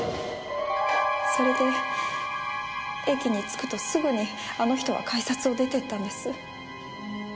それで駅に着くとすぐにあの人は改札を出て行ったんです。